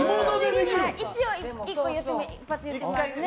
一応、一発言っていますね。